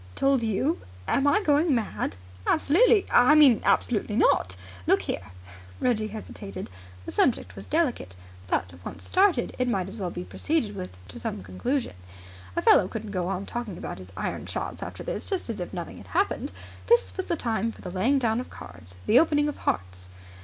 "Told you? Am I going mad?" "Absolutely! I mean absolutely not! Look here." Reggie hesitated. The subject was delicate. But, once started, it might as well be proceeded with to some conclusion. A fellow couldn't go on talking about his iron shots after this just as if nothing had happened. This was the time for the laying down of cards, the opening of hearts.